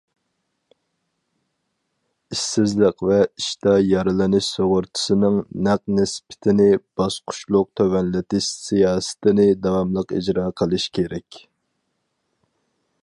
ئىشسىزلىق ۋە ئىشتا يارىلىنىش سۇغۇرتىسىنىڭ ھەق نىسبىتىنى باسقۇچلۇق تۆۋەنلىتىش سىياسىتىنى داۋاملىق ئىجرا قىلىش كېرەك.